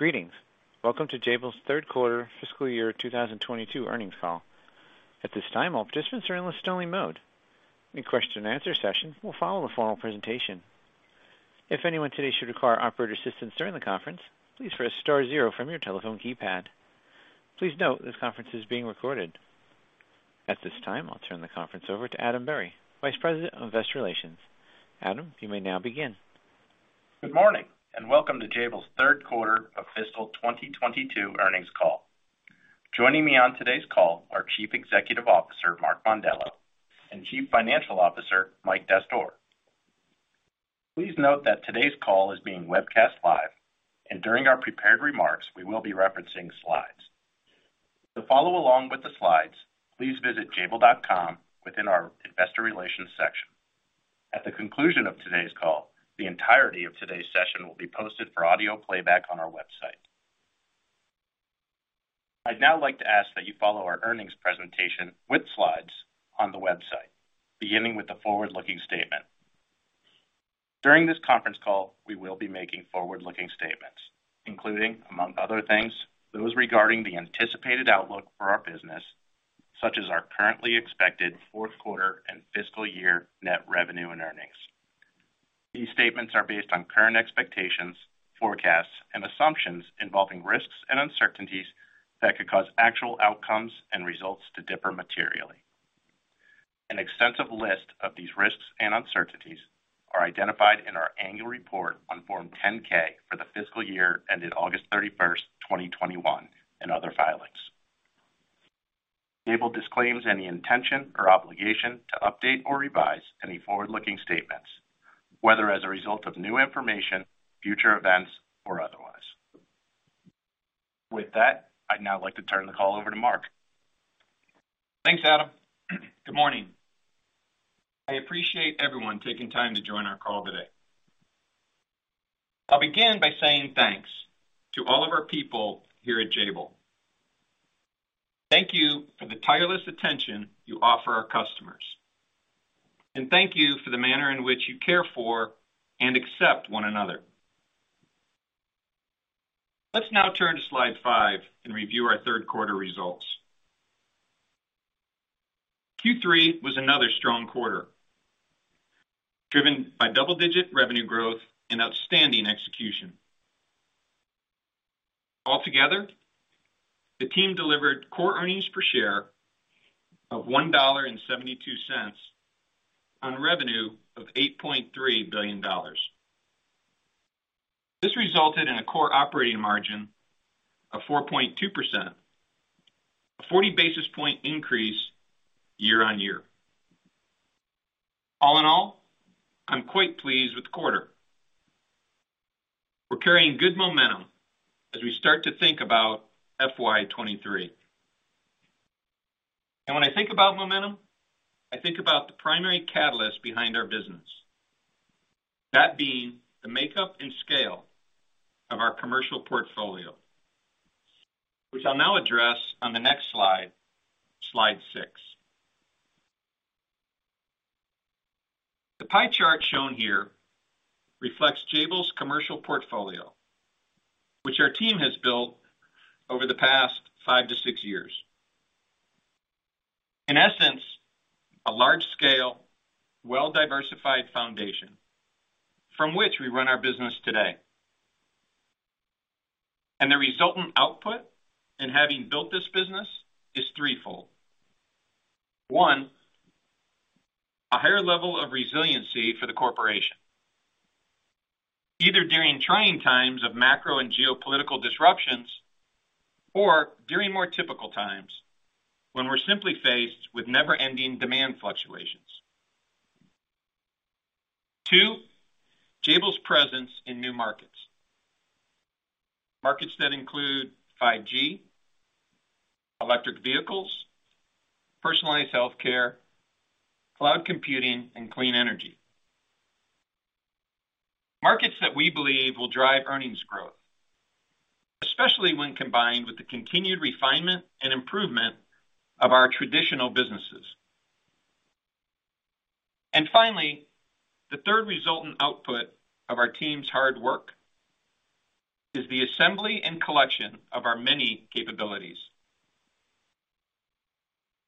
Greetings. Welcome to Jabil's third quarter fiscal year 2022 earnings call. At this time, all participants are in listen-only mode. A Q&A session will follow the formal presentation. If anyone today should require operator assistance during the conference, please press star zero from your telephone keypad. Please note this conference is being recorded. At this time, I'll turn the conference over to Adam Berry, Vice President of Investor Relations. Adam, you may now begin. Good morning, and welcome to Jabil's third quarter of fiscal 2022 earnings call. Joining me on today's call are Chief Executive Officer, Mark Mondello, and Chief Financial Officer, Mike Dastoor. Please note that today's call is being webcast live, and during our prepared remarks, we will be referencing slides. To follow along with the slides, please visit jabil.com within our Investor Relations section. At the conclusion of today's call, the entirety of today's session will be posted for audio playback on our website. I'd now like to ask that you follow our earnings presentation with slides on the website, beginning with the forward-looking statement. During this conference call, we will be making forward-looking statements, including, among other things, those regarding the anticipated outlook for our business, such as our currently expected fourth quarter and fiscal year net revenue and earnings. These statements are based on current expectations, forecasts, and assumptions involving risks and uncertainties that could cause actual outcomes and results to differ materially. An extensive list of these risks and uncertainties are identified in our annual report on Form 10-K for the fiscal year ended August 31, 2021, and other filings. Jabil disclaims any intention or obligation to update or revise any forward-looking statements, whether as a result of new information, future events, or otherwise. With that, I'd now like to turn the call over to Mark. Thanks, Adam. Good morning. I appreciate everyone taking time to join our call today. I'll begin by saying thanks to all of our people here at Jabil. Thank you for the tireless attention you offer our customers, and thank you for the manner in which you care for and accept one another. Let's now turn to slide 5 and review our third quarter results. Q3 was another strong quarter, driven by double-digit revenue growth and outstanding execution. Altogether, the team delivered core earnings per share of $1.72 on revenue of $8.3 billion. This resulted in a core operating margin of 4.2%, a 40 basis point increase year-on-year. All in all, I'm quite pleased with the quarter. We're carrying good momentum as we start to think about FY 2023. When I think about momentum, I think about the primary catalyst behind our business. That being the makeup and scale of our commercial portfolio, which I'll now address on the next slide 6. The pie chart shown here reflects Jabil's commercial portfolio, which our team has built over the past 5-6 years. In essence, a large scale, well-diversified foundation from which we run our business today. The resultant output in having built this business is threefold. One, a higher level of resiliency for the corporation, either during trying times of macro and geopolitical disruptions or during more typical times when we're simply faced with never-ending demand fluctuations. Two, Jabil's presence in new markets. Markets that include 5G, electric vehicles, personalized healthcare, cloud computing, and clean energy. Markets that we believe will drive earnings growth, especially when combined with the continued refinement and improvement of our traditional businesses. Finally, the third resultant output of our team's hard work is the assembly and collection of our many capabilities.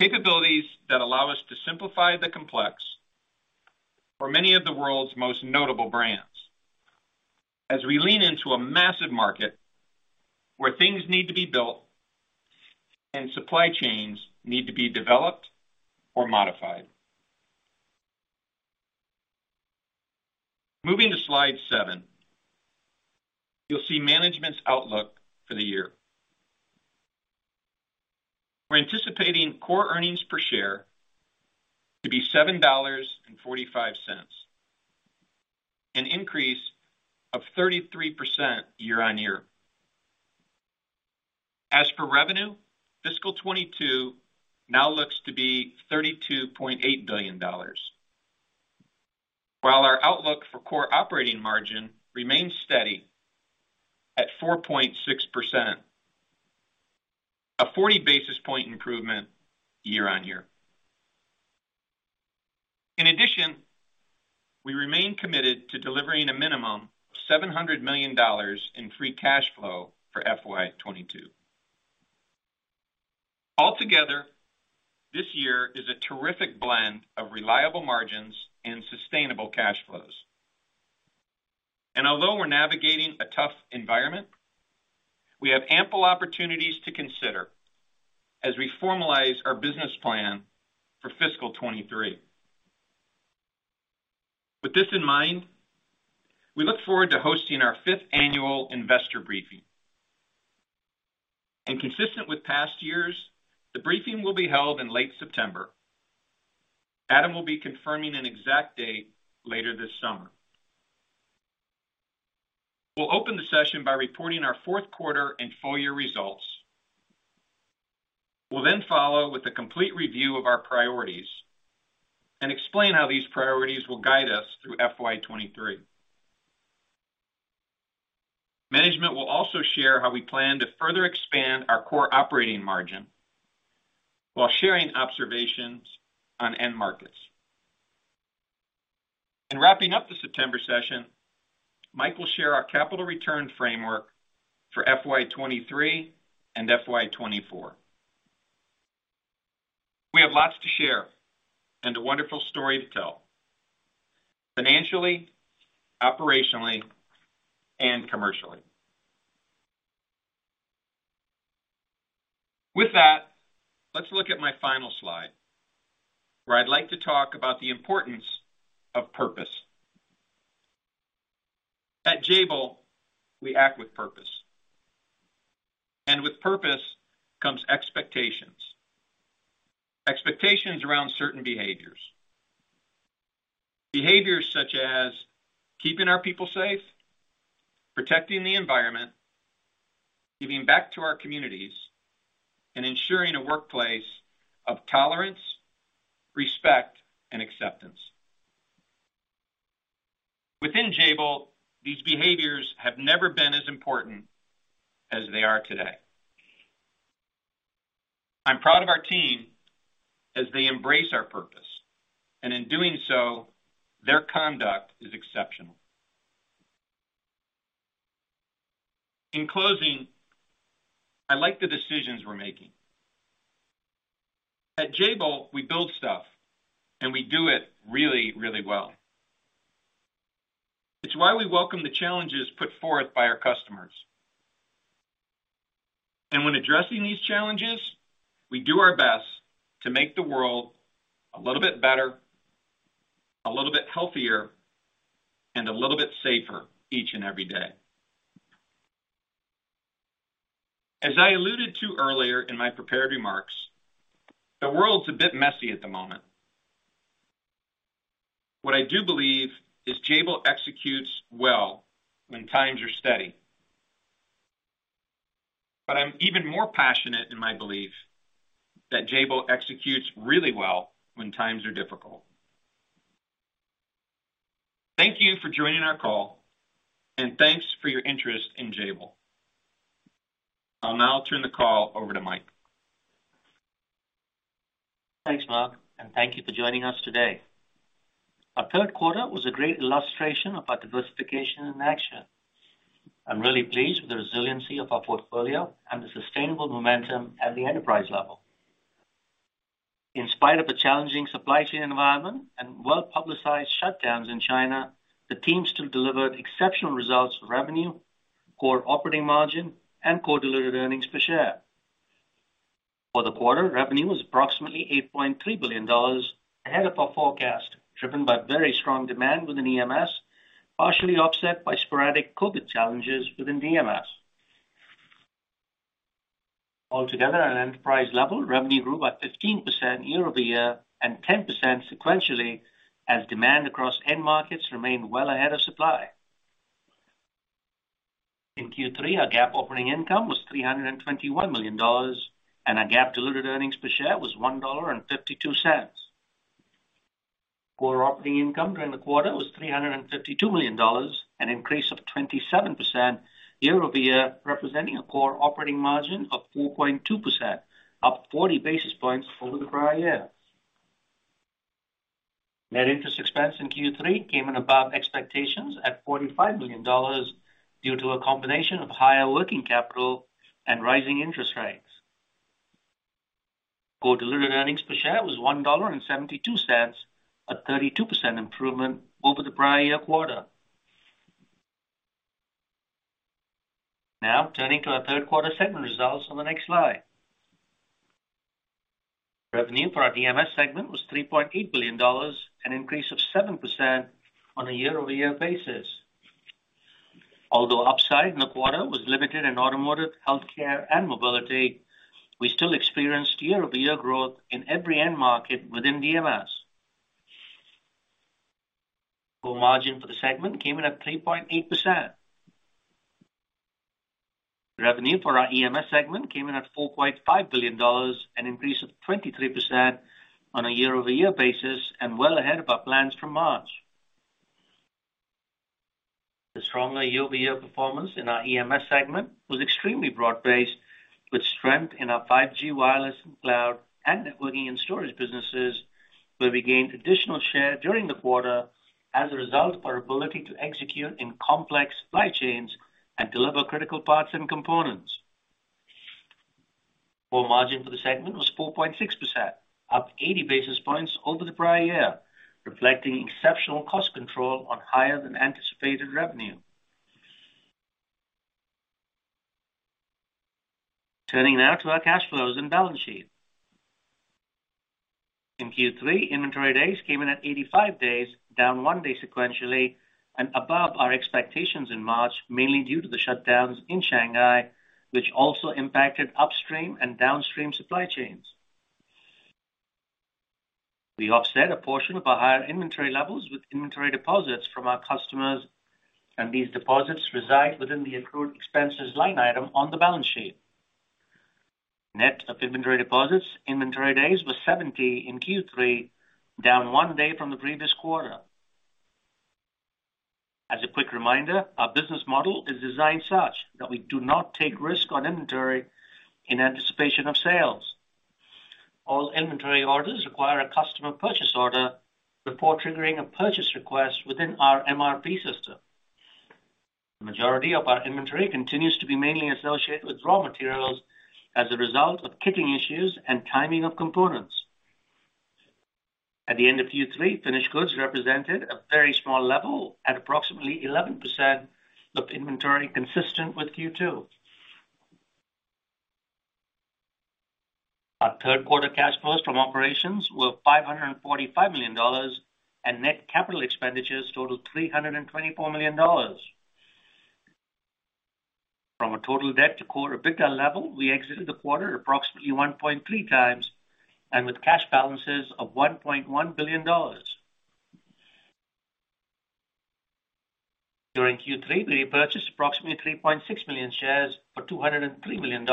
Capabilities that allow us to simplify the complex for many of the world's most notable brands as we lean into a massive market where things need to be built and supply chains need to be developed or modified. Moving to slide 7, you'll see management's outlook for the year. We're anticipating core earnings per share to be $7.45, an increase of 33% year-on-year. As for revenue, fiscal 2022 now looks to be $32.8 billion. While our outlook for core operating margin remains steady at 4.6%, a 40 basis point improvement year-over-year. In addition, we remain committed to delivering a minimum of $700 million in free cash flow for FY 2022. Altogether, this year is a terrific blend of reliable margins and sustainable cash flows. Although we're navigating a tough environment, we have ample opportunities to consider as we formalize our business plan for fiscal 2023. With this in mind, we look forward to hosting our fifth annual investor briefing. Consistent with past years, the briefing will be held in late September. Adam will be confirming an exact date later this summer. We'll open the session by reporting our fourth quarter and full year results. We'll then follow with a complete review of our priorities and explain how these priorities will guide us through FY 2023. Management will also share how we plan to further expand our core operating margin while sharing observations on end markets. In wrapping up the September session, Mike will share our capital return framework for FY 2023 and FY 2024. We have lots to share and a wonderful story to tell financially, operationally, and commercially. With that, let's look at my final slide, where I'd like to talk about the importance of purpose. At Jabil, we act with purpose, and with purpose comes expectations. Expectations around certain behaviors. Behaviors such as keeping our people safe, protecting the environment, giving back to our communities, and ensuring a workplace of tolerance, respect, and acceptance. Within Jabil, these behaviors have never been as important as they are today. I'm proud of our team as they embrace our purpose, and in doing so, their conduct is exceptional. In closing, I like the decisions we're making. At Jabil, we build stuff, and we do it really, really well. It's why we welcome the challenges put forth by our customers. When addressing these challenges, we do our best to make the world a little bit better, a little bit healthier, and a little bit safer each and every day. As I alluded to earlier in my prepared remarks, the world's a bit messy at the moment. What I do believe is Jabil executes well when times are steady. I'm even more passionate in my belief that Jabil executes really well when times are difficult. Thank you for joining our call, and thanks for your interest in Jabil. I'll now turn the call over to Mike. Thanks, Mark, and thank you for joining us today. Our third quarter was a great illustration of our diversification in action. I'm really pleased with the resiliency of our portfolio and the sustainable momentum at the enterprise level. In spite of the challenging supply chain environment and well-publicized shutdowns in China, the team still delivered exceptional results for revenue, core operating margin, and core diluted earnings per share. For the quarter, revenue was approximately $8.3 billion, ahead of our forecast, driven by very strong demand within EMS, partially offset by sporadic COVID challenges within DMS. Altogether, at an enterprise level, revenue grew by 15% year-over-year and 10% sequentially as demand across end markets remained well ahead of supply. In Q3, our GAAP operating income was $321 million, and our GAAP diluted earnings per share was $1.52. Core operating income during the quarter was $352 million, an increase of 27% year-over-year, representing a core operating margin of 4.2%, up 40 basis points over the prior year. Net interest expense in Q3 came in above expectations at $45 million due to a combination of higher working capital and rising interest rates. Core diluted earnings per share was $1.72, a 32% improvement over the prior year quarter. Now, turning to our third quarter segment results on the next slide. Revenue for our DMS segment was $3.8 billion, an increase of 7% on a year-over-year basis. Although upside in the quarter was limited in automotive, healthcare, and mobility, we still experienced year-over-year growth in every end market within DMS. Core margin for the segment came in at 3.8%. Revenue for our EMS segment came in at $4.5 billion, an increase of 23% on a year-over-year basis and well ahead of our plans from March. Stronger year-over-year performance in our EMS segment was extremely broad-based, with strength in our 5G, wireless and cloud and networking and storage businesses, where we gained additional share during the quarter as a result of our ability to execute in complex supply chains and deliver critical parts and components. Core margin for the segment was 4.6%, up 80 basis points over the prior year, reflecting exceptional cost control on higher than anticipated revenue. Turning now to our cash flows and balance sheet. In Q3, inventory days came in at 85 days, down 1 day sequentially, and above our expectations in March, mainly due to the shutdowns in Shanghai, which also impacted upstream and downstream supply chains. We offset a portion of our higher inventory levels with inventory deposits from our customers, and these deposits reside within the accrued expenses line item on the balance sheet. Net of inventory deposits, inventory days was 70 in Q3, down 1 day from the previous quarter. As a quick reminder, our business model is designed such that we do not take risk on inventory in anticipation of sales. All inventory orders require a customer purchase order before triggering a purchase request within our MRP system. The majority of our inventory continues to be mainly associated with raw materials as a result of kitting issues and timing of components. At the end of Q3, finished goods represented a very small level at approximately 11% of inventory consistent with Q2. Our third quarter cash flows from operations were $545 million, and net capital expenditures totaled $324 million. From a total debt to core EBITDA level, we exited the quarter at approximately 1.3 times, and with cash balances of $1.1 billion. During Q3, we repurchased approximately 3.6 million shares for $203 million.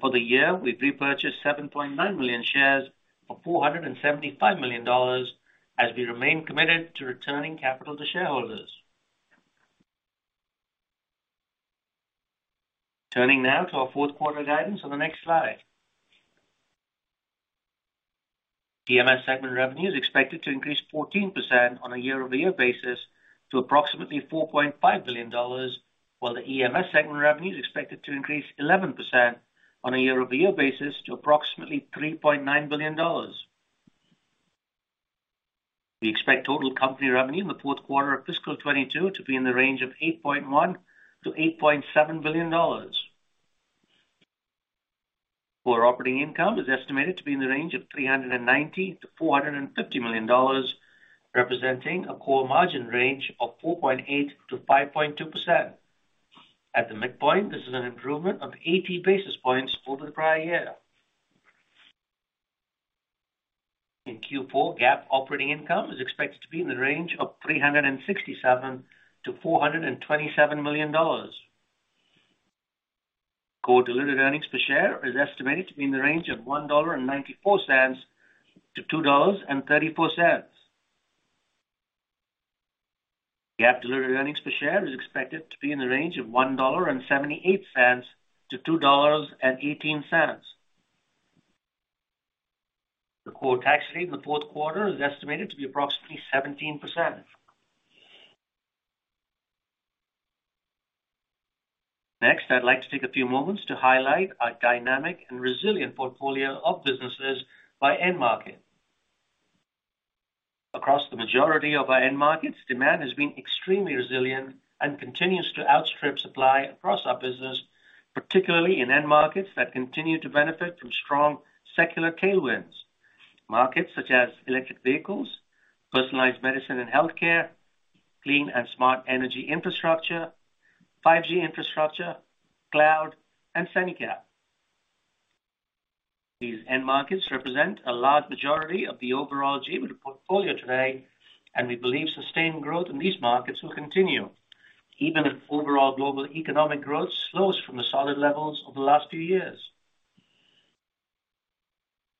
For the year, we've repurchased 7.9 million shares for $475 million as we remain committed to returning capital to shareholders. Turning now to our fourth quarter guidance on the next slide. DMS segment revenue is expected to increase 14% on a year-over-year basis to approximately $4.5 billion, while the EMS segment revenue is expected to increase 11% on a year-over-year basis to approximately $3.9 billion. We expect total company revenue in the fourth quarter of fiscal 2022 to be in the range of $8.1 billion to $8.7 billion. Core operating income is estimated to be in the range of $390 million to $450 million, representing a core margin range of 4.8%-5.2%. At the midpoint, this is an improvement of 80 basis points over the prior year. In Q4, GAAP operating income is expected to be in the range of $367 million to $427 million. Core diluted earnings per share is estimated to be in the range of $1.94 to $2.34. GAAP diluted earnings per share is expected to be in the range of $1.78 to $2.18. The core tax rate in the fourth quarter is estimated to be approximately 17%. Next, I'd like to take a few moments to highlight our dynamic and resilient portfolio of businesses by end market. Across the majority of our end markets, demand has been extremely resilient and continues to outstrip supply across our business, particularly in end markets that continue to benefit from strong secular tailwinds. Markets such as electric vehicles, personalized medicine and healthcare, clean and smart energy infrastructure, 5G infrastructure, cloud, and semi-cap. These end markets represent a large majority of the overall Jabil portfolio today, and we believe sustained growth in these markets will continue, even if overall global economic growth slows from the solid levels of the last few years.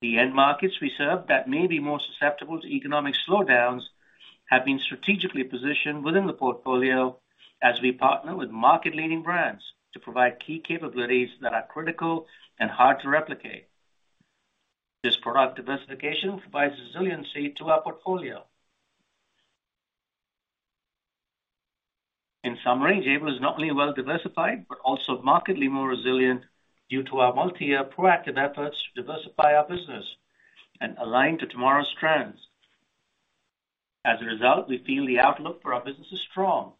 The end markets we serve that may be more susceptible to economic slowdowns have been strategically positioned within the portfolio as we partner with market-leading brands to provide key capabilities that are critical and hard to replicate. This product diversification provides resiliency to our portfolio. In summary, Jabil is not only well-diversified, but also markedly more resilient due to our multi-year proactive efforts to diversify our business and align to tomorrow's trends. As a result, we feel the outlook for our business is strong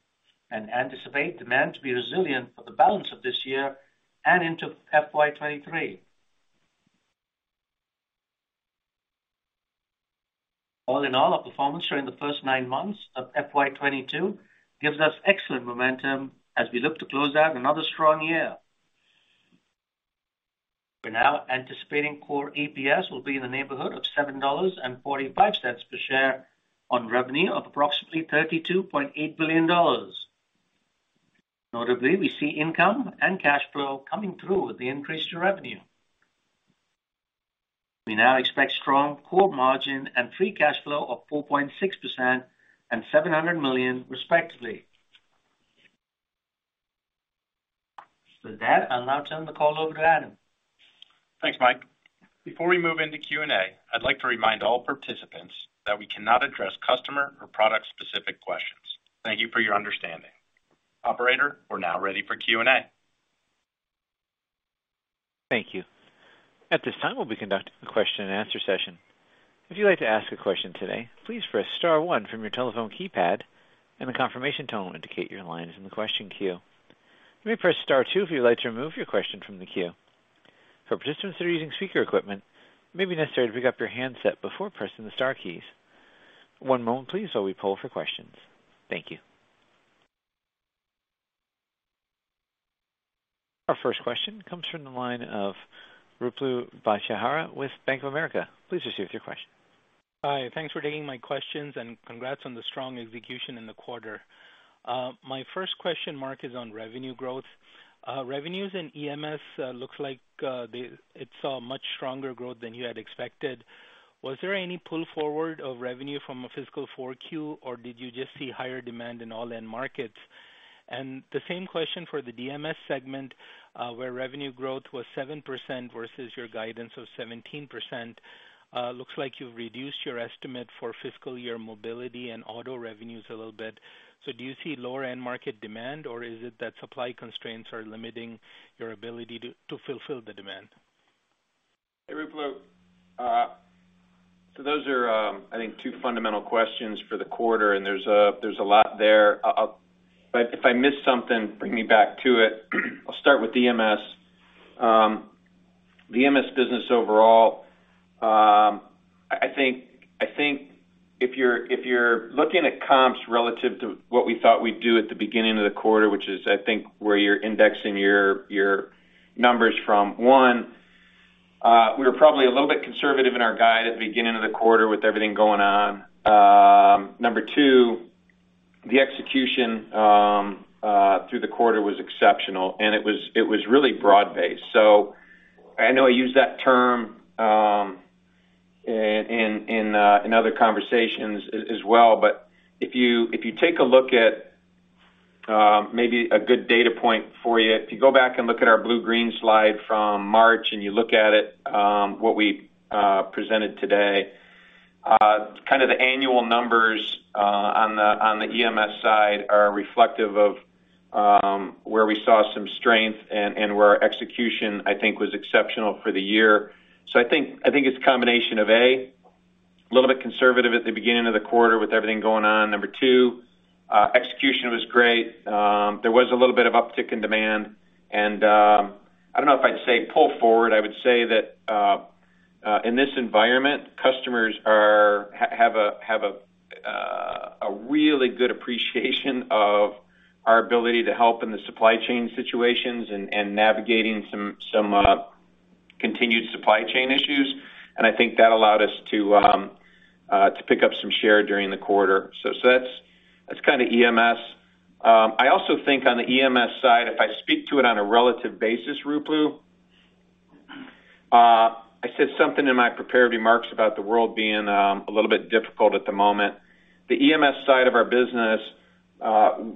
and anticipate demand to be resilient for the balance of this year and into FY 2023. All in all, our performance during the first nine months of FY 2022 gives us excellent momentum as we look to close out another strong year. We're now anticipating core EPS will be in the neighborhood of $7.45 per share on revenue of approximately $32.8 billion. Notably, we see income and cash flow coming through with the increase to revenue. We now expect strong core margin and free cash flow of 4.6% and $700 million respectively. With that, I'll now turn the call over to Adam. Thanks, Mike. Before we move into Q&A, I'd like to remind all participants that we cannot address customer or product-specific questions. Thank you for your understanding. Operator, we're now ready for Q&A. Thank you. At this time, we'll be conducting a Q&A session. If you'd like to ask a question today, please press star 1 from your telephone keypad, and a confirmation tone will indicate your line is in the question queue. You may press star 2 if you'd like to remove your question from the queue. For participants that are using speaker equipment, it may be necessary to pick up your handset before pressing the star keys. One moment please while we poll for questions. Thank you. Our first question comes from the line of Ruplu Bhattacharya with Bank of America. Please proceed with your question. Hi. Thanks for taking my questions, and congrats on the strong execution in the quarter. My first question, Mark, is on revenue growth. Revenues in EMS looks like it saw much stronger growth than you had expected. Was there any pull forward of revenue from a fiscal 4Q, or did you just see higher demand in all end markets? The same question for the DMS segment, where revenue growth was 7% versus your guidance of 17%. Looks like you've reduced your estimate for fiscal year mobility and auto revenues a little bit. Do you see lower end market demand, or is it that supply constraints are limiting your ability to fulfill the demand? Hey, Ruplu. Those are, I think, two fundamental questions for the quarter, and there's a lot there. If I miss something, bring me back to it. I'll start with DMS. The DMS business overall, I think, if you're looking at comps relative to what we thought we'd do at the beginning of the quarter, which is I think where you're indexing your numbers from, one, we were probably a little bit conservative in our guide at the beginning of the quarter with everything going on. Number two, the execution through the quarter was exceptional, and it was really broad-based. I know I use that term in other conversations as well, but if you take a look at maybe a good data point for you. If you go back and look at our blue-green slide from March, and you look at it what we presented today kind of the annual numbers on the EMS side are reflective of where we saw some strength and where our execution, I think, was exceptional for the year. I think it's a combination of, A, a little bit conservative at the beginning of the quarter with everything going on. Number 2, execution was great. There was a little bit of uptick in demand. I don't know if I'd say pull forward. I would say that in this environment, customers have a really good appreciation of our ability to help in the supply chain situations and navigating some continued supply chain issues. I think that allowed us to pick up some share during the quarter. That's kind of EMS. I also think on the EMS side, if I speak to it on a relative basis, Ruplu, I said something in my prepared remarks about the world being a little bit difficult at the moment. The EMS side of our business,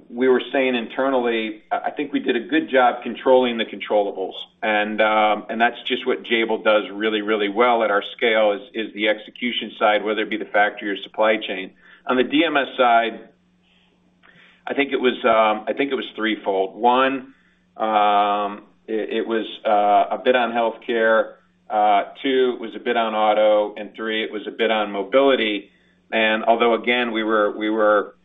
we were saying internally, I think we did a good job controlling the controllables. That's just what Jabil does really, really well at our scale is the execution side, whether it be the factory or supply chain. On the DMS side, I think it was threefold. One, it was a bit on healthcare. Two, it was a bit on auto, and three, it was a bit on mobility. Although, again, we were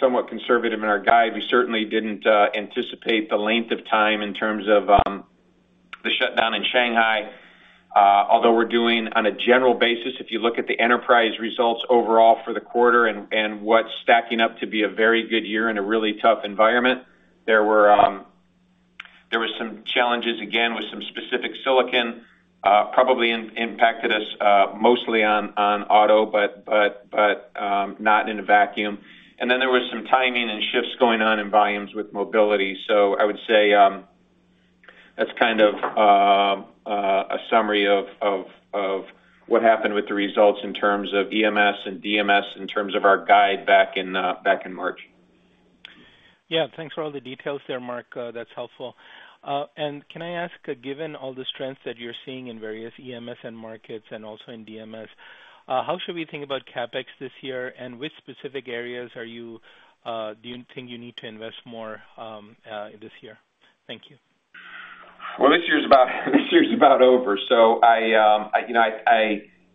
somewhat conservative in our guide, we certainly didn't anticipate the length of time in terms of the shutdown in Shanghai. Although we're doing on a general basis, if you look at the enterprise results overall for the quarter and what's stacking up to be a very good year in a really tough environment, there were some challenges, again, with some specific silicon, probably impacted us, mostly on auto, but not in a vacuum. Then there was some timing and shifts going on in volumes with mobility. I would say that's kind of a summary of what happened with the results in terms of EMS and DMS in terms of our guide back in March. Thanks for all the details there, Mark. That's helpful. Can I ask, given all the strengths that you're seeing in various EMS end markets and also in DMS, how should we think about CapEx this year, and which specific areas do you think you need to invest more this year? Thank you. This year's about over.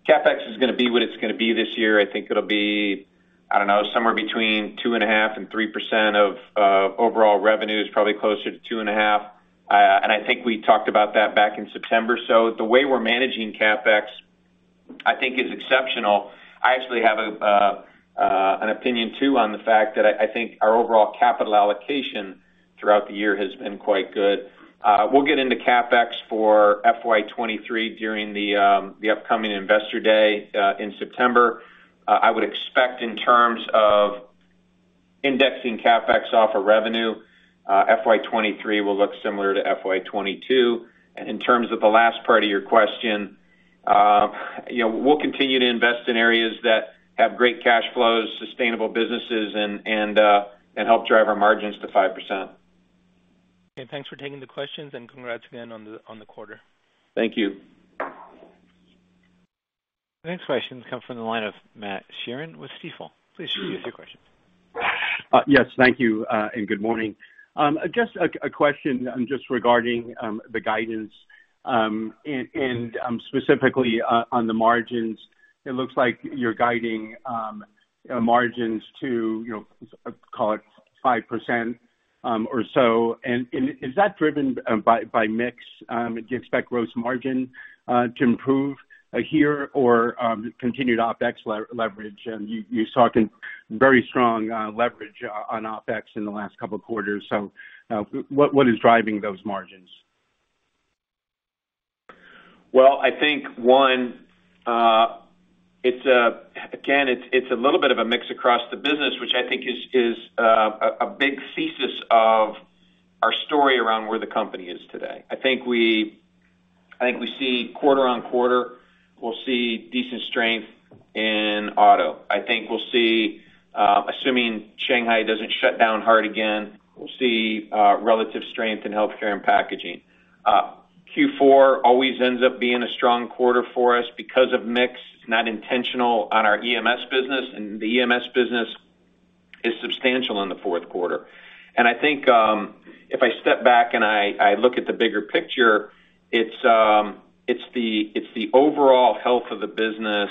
CapEx is gonna be what it's gonna be this year. I think it'll be, I don't know, somewhere between 2.5% and 3% of overall revenue. It's probably closer to 2.5%. I think we talked about that back in September. The way we're managing CapEx, I think is exceptional. I actually have an opinion too on the fact that I think our overall capital allocation throughout the year has been quite good. We'll get into CapEx for FY 2023 during the upcoming Investor Day in September. I would expect in terms of indexing CapEx off of revenue, FY 2023 will look similar to FY 2022. In terms of the last part of your question, you know, we'll continue to invest in areas that have great cash flows, sustainable businesses, and help drive our margins to 5%. Okay. Thanks for taking the questions, and congrats again on the quarter. Thank you. The next question comes from the line of Matt Sheerin with Stifel. Please proceed with your question. Yes, thank you, and good morning. Just a question just regarding the guidance and specifically on the margins. It looks like you're guiding margins to, you know, call it 5% or so, and is that driven by mix? Do you expect gross margin to improve here or continued OpEx leverage? You saw a very strong leverage on OpEx in the last couple of quarters. What is driving those margins? Well, I think one, it's again, it's a little bit of a mix across the business, which I think is a big thesis of our story around where the company is today. I think we see quarter-on-quarter, we'll see decent strength in auto. I think we'll see assuming Shanghai doesn't shut down hard again, we'll see relative strength in healthcare and packaging. Q4 always ends up being a strong quarter for us because of mix, not intentional on our EMS business, and the EMS business is substantial in the fourth quarter. I think if I step back and I look at the bigger picture, it's the overall health of the business,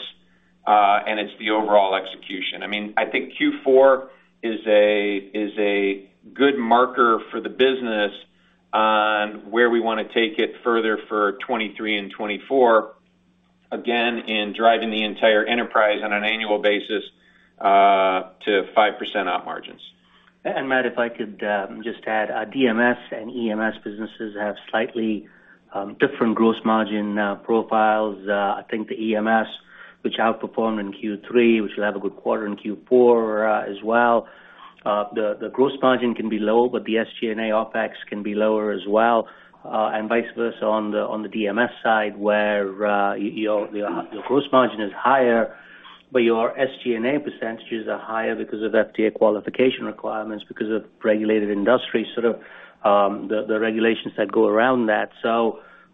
and it's the overall execution. I mean, I think Q4 is a good marker for the business on where we wanna take it further for 2023 and 2024, again, in driving the entire enterprise on an annual basis to 5% op margins. Matt, if I could just add, DMS and EMS businesses have slightly different gross margin profiles. I think the EMS, which outperformed in Q3, which will have a good quarter in Q4 as well. The gross margin can be low, but the SG&A OpEx can be lower as well, and vice versa on the DMS side, where your gross margin is higher, but your SG&A percentages are higher because of FDA qualification requirements because of regulated industry, sort of the regulations that go around that.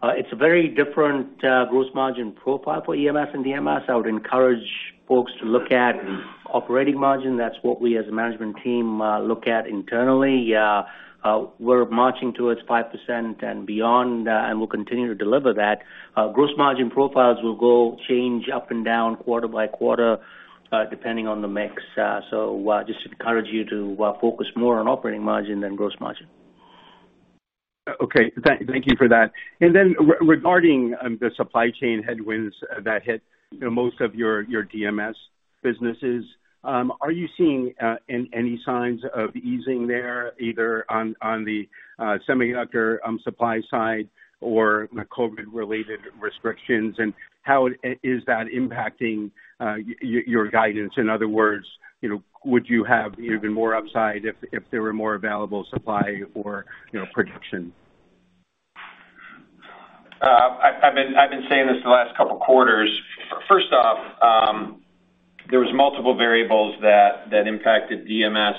It's a very different gross margin profile for EMS and DMS. I would encourage folks to look at operating margin. That's what we as a management team look at internally. We're marching towards 5% and beyond, and we'll continue to deliver that. Gross margin profiles will change up and down quarter by quarter, depending on the mix. Just encourage you to focus more on operating margin than gross margin. Okay. Thank you for that. Regarding the supply chain headwinds that hit, you know, most of your DMS businesses, are you seeing any signs of easing there, either on the semiconductor supply side or the COVID-related restrictions, and how is that impacting your guidance? In other words, you know, would you have even more upside if there were more available supply for, you know, production? I've been saying this the last couple quarters. First off, there was multiple variables that impacted DMS.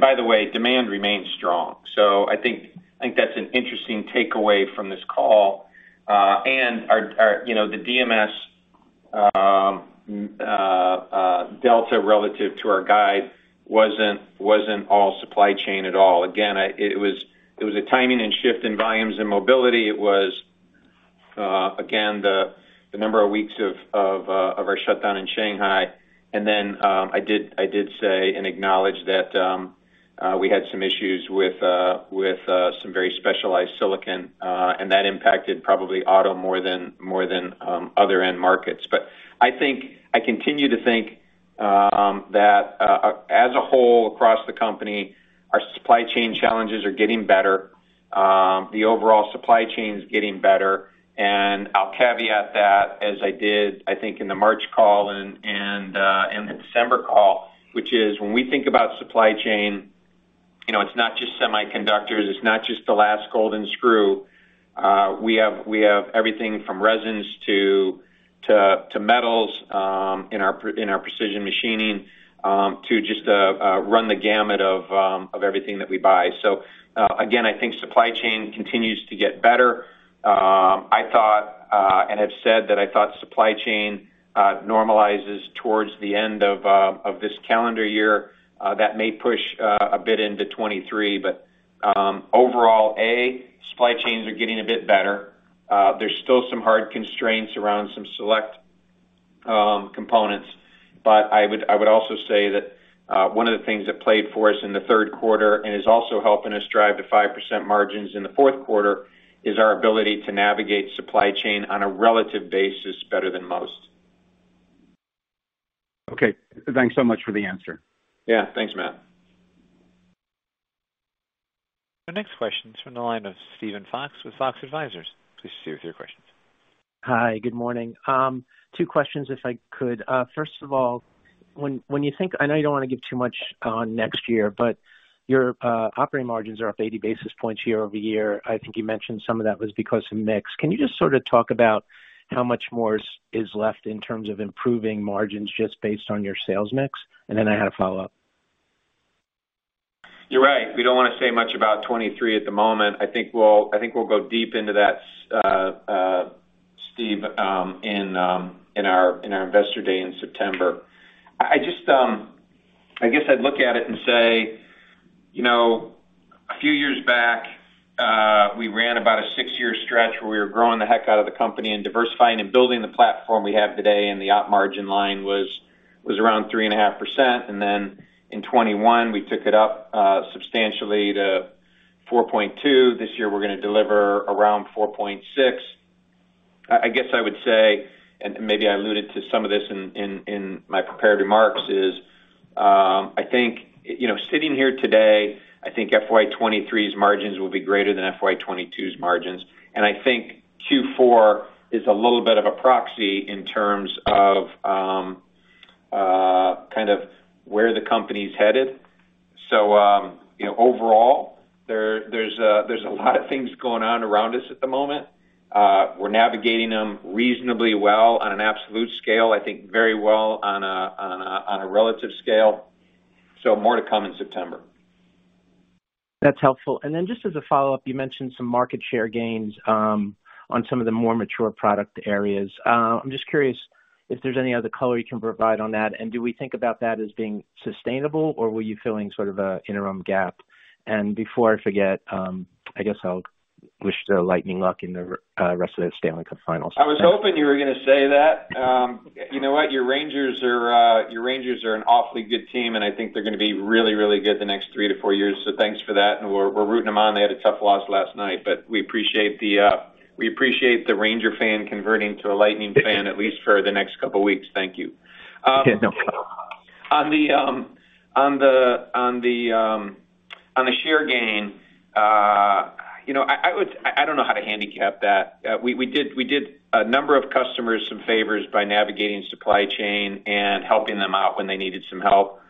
By the way, demand remains strong. I think that's an interesting takeaway from this call. Our you know the DMS delta relative to our guide wasn't all supply chain at all. Again, it was a timing and shift in volumes and mobility. It was again the number of weeks of our shutdown in Shanghai. Then I did say and acknowledge that we had some issues with some very specialized silicon and that impacted probably auto more than other end markets. I think, I continue to think, that as a whole across the company, our supply chain challenges are getting better. The overall supply chain is getting better. I'll caveat that as I did, I think, in the March call and in the December call, which is when we think about supply chain, you know, it's not just semiconductors, it's not just the last golden screw. We have everything from resins to metals in our precision machining to just run the gamut of everything that we buy. Again, I think supply chain continues to get better. I thought and have said that I thought supply chain normalizes towards the end of this calendar year. That may push a bit into 2023. Overall, supply chains are getting a bit better. There's still some hard constraints around some select components. I would also say that one of the things that played for us in the third quarter and is also helping us drive to 5% margins in the fourth quarter is our ability to navigate supply chain on a relative basis better than most. Okay. Thanks so much for the answer. Thanks, Matt. The next question's from the line of Steven Fox with Fox Advisors. Please proceed with your questions. Hi, good morning. Two questions, if I could. First of all, I know you don't wanna give too much on next year, but your operating margins are up 80 basis points year-over-year. I think you mentioned some of that was because of mix. Can you just sort of talk about how much more is left in terms of improving margins just based on your sales mix? Then I had a follow-up. You're right. We don't wanna say much about 2023 at the moment. I think we'll go deep into that, Steven, in our investor day in September. I just guess I'd look at it and say, you know, a few years back, we ran about a 6 years stretch where we were growing the heck out of the company and diversifying and building the platform we have today, and the operating margin line was around 3.5%. In 2021, we took it up substantially to 4.2%. This year, we're gonna deliver around 4.6%. I guess I would say, maybe I alluded to some of this in my prepared remarks. I think, you know, sitting here today, I think FY 2023's margins will be greater than FY 2022's margins. I think Q4 is a little bit of a proxy in terms of kind of where the company's headed. You know, overall, there's a lot of things going on around us at the moment. We're navigating them reasonably well on an absolute scale. I think very well on a relative scale. More to come in September. That's helpful. Just as a follow-up, you mentioned some market share gains on some of the more mature product areas. I'm just curious if there's any other color you can provide on that, and do we think about that as being sustainable, or were you filling sort of a interim gap? Before I forget, I guess I'll wish the Lightning luck in the rest of the Stanley Cup Finals. I was hoping you were gonna say that. Your Rangers are an awfully good team, and I think they're gonna be really, really good the next 3-4 years. Thanks for that, and we're rooting them on. They had a tough loss last night. We appreciate the Rangers fan converting to a Lightning fan, at least for the next couple weeks. Thank you. No problem. On the share gain, I would. I don't know how to handicap that. We did a number of customers some favors by navigating supply chain and helping them out when they needed some help.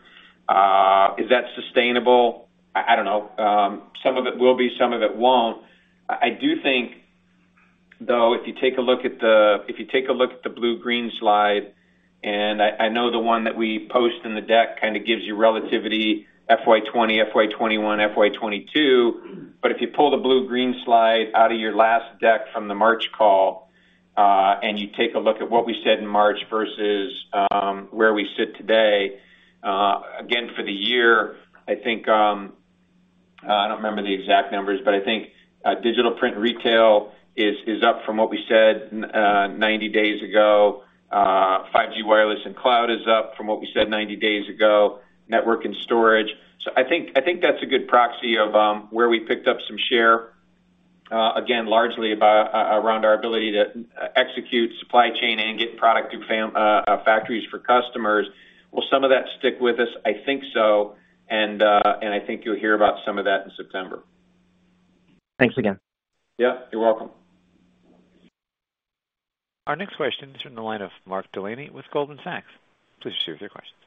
Is that sustainable? I don't know. Some of it will be, some of it won't. I do think, though, if you take a look at the blue-green slide, and I know the one that we post in the deck kinda gives you relativity, FY 2020, FY 2021, FY 2022. If you pull the blue-green slide out of your last deck from the March call, and you take a look at what we said in March versus where we sit today, again, for the year, I think I don't remember the exact numbers, but I think digital print retail is up from what we said 90 days ago. 5G, wireless and cloud is up from what we said 90 days ago, networking and storage. I think that's a good proxy of where we picked up some share, again, largely around our ability to execute supply chain and get product to factories for customers. Will some of that stick with us? I think so. I think you'll hear about some of that in September. Thanks again. You're welcome. Our next question is from the line of Mark Delaney with Goldman Sachs. Please proceed with your questions.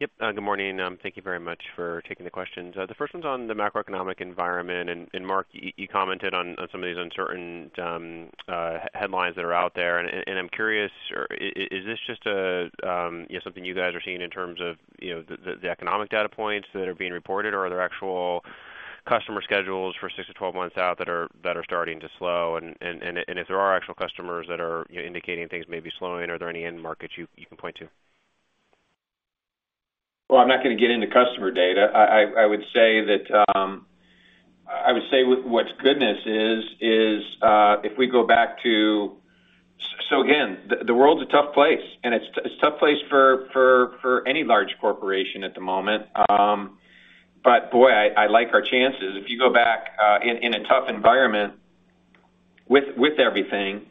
Yep, good morning. Thank you very much for taking the questions. The first one's on the macroeconomic environment. Mark, you commented on some of these uncertain headlines that are out there. I'm curious, is this just a you know, something you guys are seeing in terms of, you know, the economic data points that are being reported, or are there actual customer schedules for 6 to 12 months out that are starting to slow? If there are actual customers that are, you know, indicating things may be slowing, are there any end markets you can point to? Well, I'm not gonna get into customer data. I would say that what's good is if we go back to. Again, the world's a tough place, and it's a tough place for any large corporation at the moment. Boy, I like our chances. If you go back in a tough environment with everything,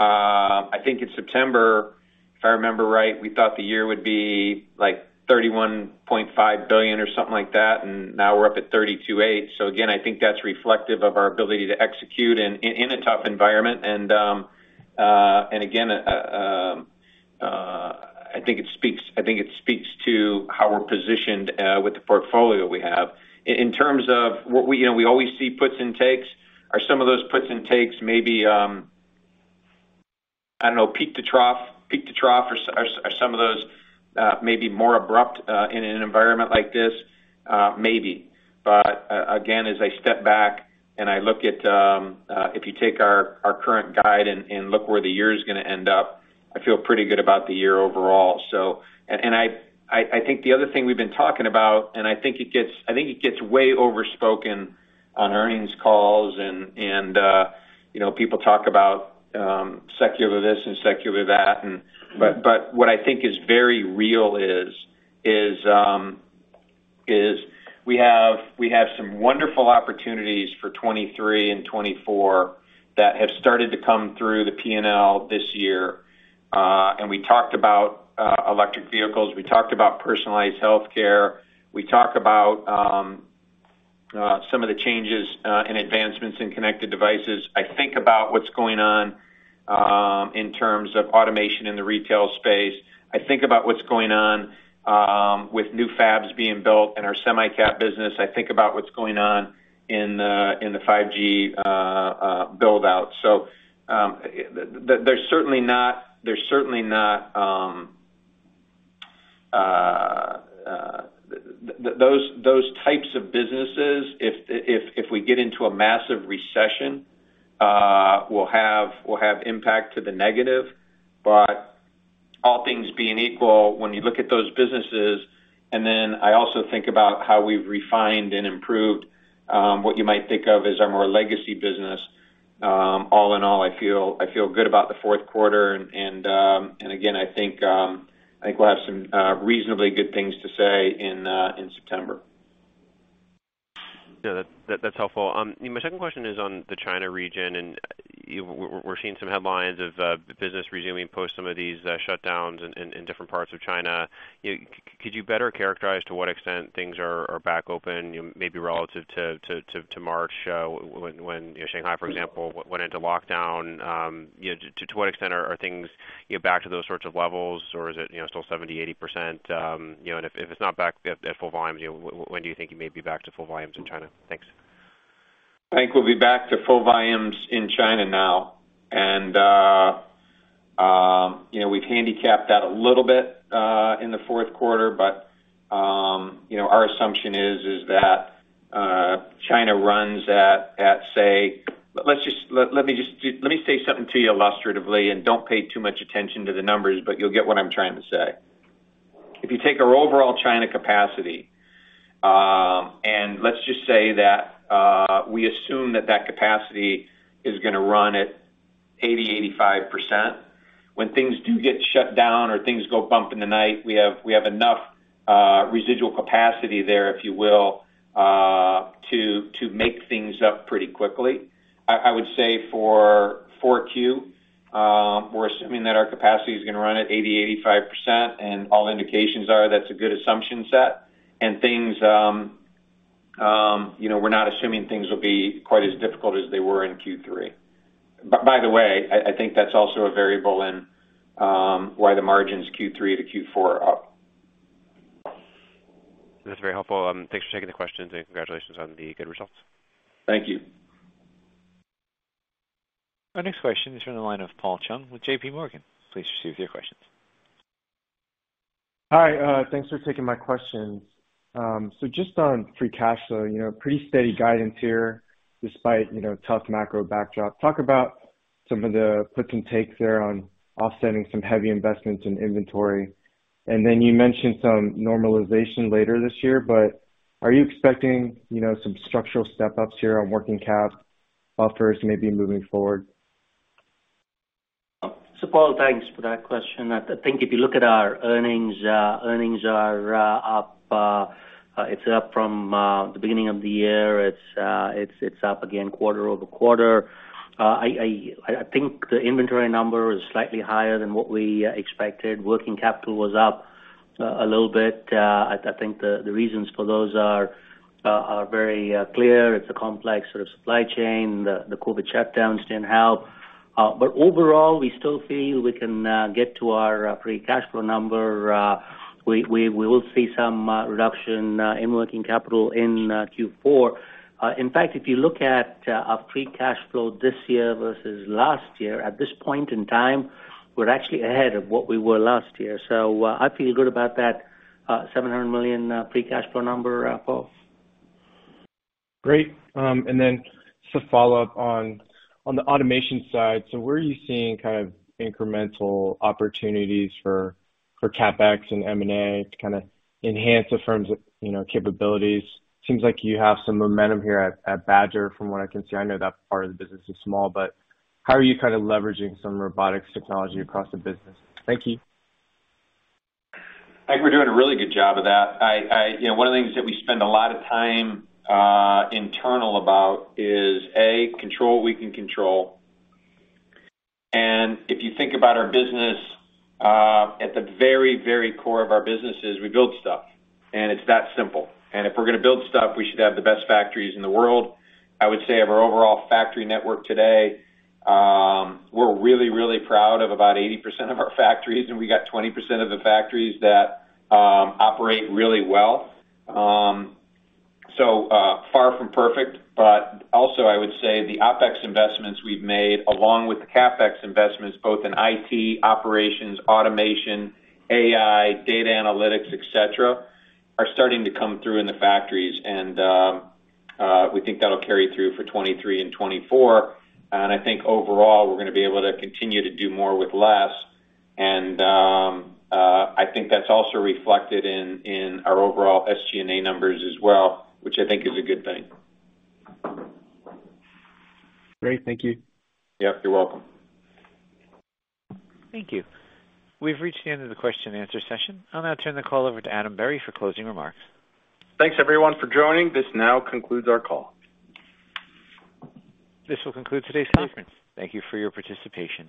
I think in September, if I remember right, we thought the year would be like $31.5 billion or something like that, and now we're up at $32.8 billion. Again, I think that's reflective of our ability to execute in a tough environment. Again, I think it speaks to how we're positioned with the portfolio we have. In terms of what we. We always see puts and takes. Are some of those puts and takes maybe I don't know, peak to trough? Are some of those maybe more abrupt in an environment like this? Maybe. Again, as I step back and I look at if you take our current guide and look where the year is gonna end up, I feel pretty good about the year overall. I think the other thing we've been talking about, and I think it gets way overspoken on earnings calls, and you know, people talk about secular this and secular that. What I think is very real is we have some wonderful opportunities for 2023 and 2024 that have started to come through the P&L this year, and we talked about electric vehicles. We talked about personalized healthcare. We talk about some of the changes and advancements in connected devices. I think about what's going on in terms of automation in the retail space. I think about what's going on with new fabs being built in our semi-cap business. I think about what's going on in the 5G build out. There's certainly not those types of businesses if we get into a massive recession will have impact to the negative. All things being equal, when you look at those businesses and then I also think about how we've refined and improved what you might think of as our more legacy business, all in all, I feel good about the fourth quarter. Again, I think we'll have some reasonably good things to say in September. That's helpful. My second question is on the China region, and we're seeing some headlines of business resuming post some of these shutdowns in different parts of China. Could you better characterize to what extent things are back open, maybe relative to March when you know Shanghai, for example, went into lockdown? You know, to what extent are things you know back to those sorts of levels, or is it you know still 70%-80%? You know, and if it's not back at full volumes, you know, when do you think you may be back to full volumes in China? Thanks. I think we'll be back to full volumes in China now. We've handicapped that a little bit in the fourth quarter. You know, our assumption is that China runs at, say, let me say something to you illustratively, and don't pay too much attention to the numbers, but you'll get what I'm trying to say. If you take our overall China capacity, and let's just say that we assume that that capacity is gonna run at 80%-85%. When things do get shut down or things go bump in the night, we have enough residual capacity there, if you will, to make things up pretty quickly. I would say for 4Q, we're assuming that our capacity is gonna run at 80% to 85%, and all indications are that's a good assumption set. Things, you know, we're not assuming things will be quite as difficult as they were in Q3. By the way, I think that's also a variable in why the margins Q3 to Q4 are up. That's very helpful. Thanks for taking the questions, and congratulations on the good results. Thank you. Our next question is from the line of Paul Chung with JP Morgan. Please proceed with your questions. Hi, thanks for taking my questions. Just on free cash flow, you know, pretty steady guidance here despite, you know, tough macro backdrop. Talk about some of the puts and takes there on offsetting some heavy investments in inventory. Then you mentioned some normalization later this year, but are you expecting, you know, some structural step-ups here on working cap buffers maybe moving forward? Paul, thanks for that question. I think if you look at our earnings are up from the beginning of the year. It's up again quarter-over-quarter. I think the inventory number is slightly higher than what we expected. Working capital was up a little bit. I think the reasons for those are very clear. It's a complex sort of supply chain. The COVID shutdowns didn't help. Overall, we still feel we can get to our free cash flow number. We will see some reduction in working capital in Q4. In fact, if you look at our free cash flow this year versus last year, at this point in time, we're actually ahead of what we were last year. I feel good about that $700 million free cash flow number, Paul. Great. Just a follow-up on the automation side. Where are you seeing kind of incremental opportunities for CapEx and M&A to kind of enhance the firm's, you know, capabilities? Seems like you have some momentum here at Jabil from what I can see. I know that part of the business is small, but how are you kind of leveraging some robotics technology across the business? Thank you. I think we're doing a really good job of that. You know, one of the things that we spend a lot of time internal about is control we can control. If you think about our business, at the very, very core of our business is we build stuff, and it's that simple. If we're gonna build stuff, we should have the best factories in the world. I would say of our overall factory network today, we're really, really proud of about 80% of our factories, and we got 20% of the factories that operate really well. Far from perfect, but also I would say the OpEx investments we've made, along with the CapEx investments, both in IT, operations, automation, AI, data analytics, et cetera, are starting to come through in the factories. We think that'll carry through for 2023 and 2024. I think overall, we're gonna be able to continue to do more with less. I think that's also reflected in our overall SG&A numbers as well, which I think is a good thing. Great. Thank you. Yep, you're welcome. Thank you. We've reached the end of the question and answer session. I'll now turn the call over to Adam Berry for closing remarks. Thanks, everyone for joining. This now concludes our call. This will conclude today's conference. Thank you for your participation.